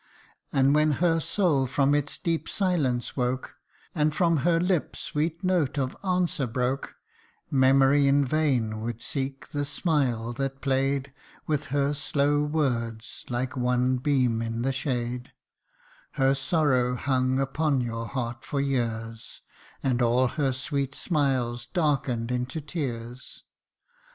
And when her soul from its deep silence woke, And from her lip sweet note of answer broke, Memory in vain would seek the smile that play'd With her slow words, like one beam in the shade ; Her sorrow hung upon your heart for years And all her sweet smiles darken'd into tears.